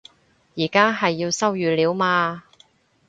而家係要收語料嘛